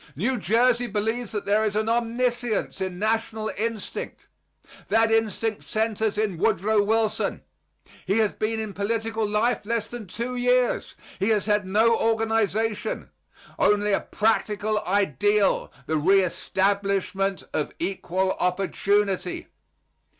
New Jersey believes that there is an omniscience in national instinct. That instinct centers in Woodrow Wilson. He has been in political life less than two years. He has had no organization; only a practical ideal the reestablishment of equal opportunity.